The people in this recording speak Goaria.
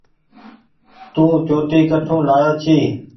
تو چوٽي ڪٺو لآيو ڇي۔